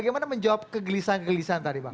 bagaimana menjawab kegelisahan kegelisahan tadi bang